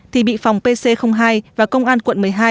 thì bị phòng pc hai và công an quận một mươi hai